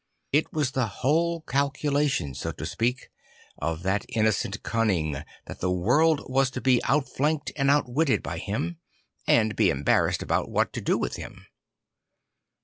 I t was the whole calculation, so to speak, of that innocent cunning, that the world was to be outflanked and outwitted by him, and be embarrassed about what to do with him.